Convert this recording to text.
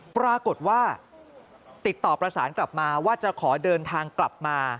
ปรากฏว่าติดต่อประสานกลับมาว่าจะขอเดินทางกลับมา